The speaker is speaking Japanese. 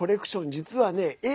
実はね